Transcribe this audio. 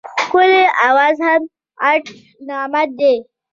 ښکلی اواز هم غټ نعمت دی.